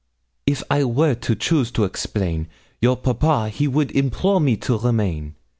'If I were to choose to explain, your papa he would implore me to remain.